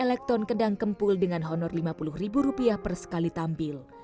elekton kendang kempul dengan honor lima puluh ribu rupiah per sekali tampil